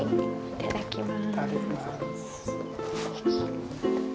いただきます。